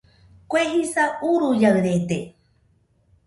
Kue jisa uruiaɨrede